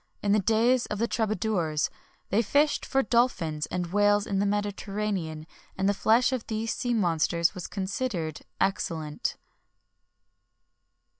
[XXI 29] In the days of the troubadours, they fished for dolphins and whales in the Mediterranean, and the flesh of these sea monsters was considered excellent.